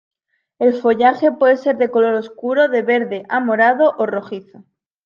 El follaje puede ser de color oscuro, de verde a morado o rojizo.